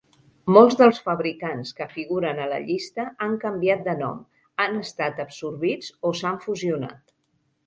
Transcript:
Molts dels fabricants que figuren a la llista han canviat de nom, han estat absorbits o s'han fusionat.